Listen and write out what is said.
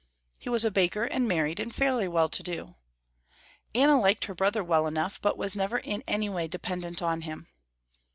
He was a baker and married and fairly well to do. Anna liked her brother well enough but was never in any way dependent on him.